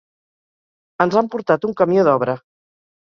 Ens han portat un camió d'obra.